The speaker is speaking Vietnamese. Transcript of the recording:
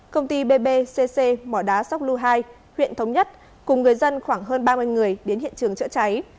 công ty bbc mỏ đá sóc lu hai huyện thống nhất cùng người dân khoảng hơn ba mươi người đến hiện trường chữa cháy